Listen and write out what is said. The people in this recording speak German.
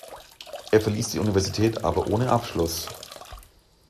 Er verließ die Universität aber ohne Abschluss.